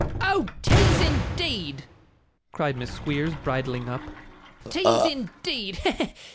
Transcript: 'Oh! Tease, indeed!' cried Miss Squeers, bridling up. 'Tease, indeed!